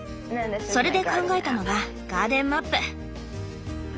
それで考えたのがガーデンマップ！